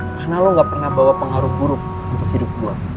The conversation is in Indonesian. karena lu nggak pernah bawa pengaruh buruk untuk hidup gua